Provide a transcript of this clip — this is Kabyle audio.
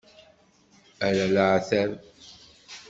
Ala leεtab.